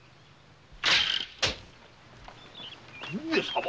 上様！